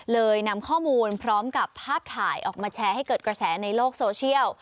นำข้อมูลพร้อมกับภาพถ่ายออกมาแชร์ให้เกิดกระแสในโลกโซเชียล